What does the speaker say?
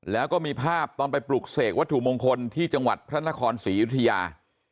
แล้วก็มีภาพตอนไปปลุกเสกวัตถุมงคลที่จังหวัดพระนครศรีอยุธยา